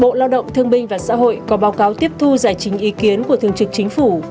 bộ lao động thương binh và xã hội có báo cáo tiếp thu giải trình ý kiến của thương trực chính phủ